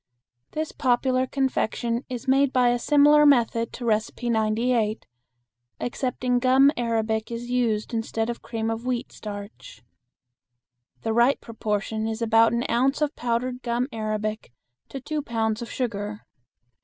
This popular confection is made by a similar method to No. 98, excepting gum arabic is used instead of cream of wheat starch. The right proportion is about an ounce of powdered gum arabic to two pounds of sugar.